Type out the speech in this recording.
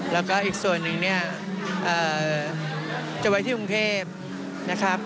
แล้วก็อีกส่วนหนึ่งเนี่ยจะไว้ที่กรุงเทพนะครับ